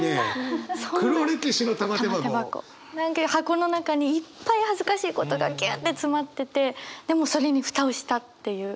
何か箱の中にいっぱい恥ずかしいことがぎゅって詰まっててでもそれに蓋をしたっていう。